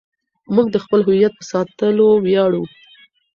موږ د خپل هویت په ساتلو ویاړو.